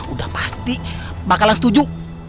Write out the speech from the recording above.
udah pasti bakalan setuju